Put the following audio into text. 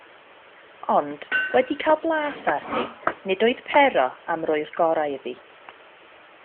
Ond wedi cael blas arni, nid oedd Pero am roi'r gorau iddi.